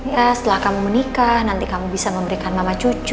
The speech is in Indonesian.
ya setelah kamu menikah nanti kamu bisa memberikan mama cucu